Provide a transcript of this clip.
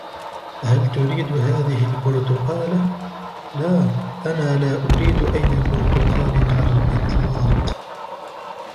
" هل تريد هذهِ البرتقالة ؟"" لا, أنا لا أريد أي برتقال على الإطلاق. "